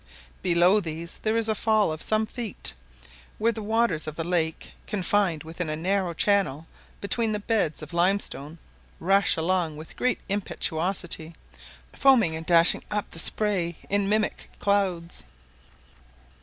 Below these there is a fall of some feet, where the waters of the lakes, confined within a narrow channel between beds of limestone, rush along with great impetuosity, foaming and dashing up the spray in mimic clouds.